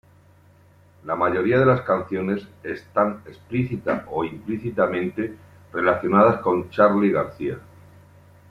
La mayoría de las canciones están explícita o implícitamente relacionadas con Charly García.